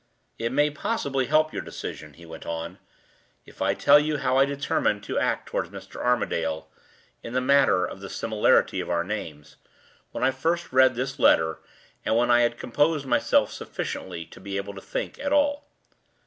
"It may possibly help your decision," he went on, "if I tell you how I determined to act toward Mr. Armadale in the matter of the similarity of our names when I first read this letter, and when I had composed myself sufficiently to be able to think at all."